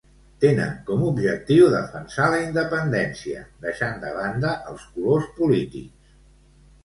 Tenen com objectiu defensar la independència, deixant de banda els colors polítics.